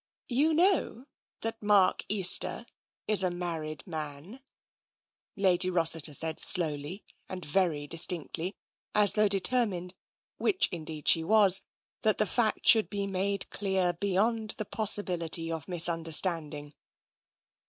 " You know that Mark Easter is a married man? " Lady Rossiter said slowly and very distinctly, as though determined, which indeed she was, that the fact should be made clear beyond the possibility of misunderstanding.